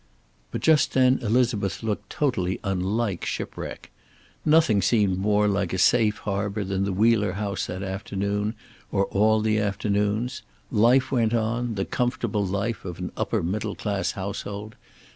But just then Elizabeth looked totally unlike shipwreck. Nothing seemed more like a safe harbor than the Wheeler house that afternoon, or all the afternoons. Life went on, the comfortable life of an upper middle class household.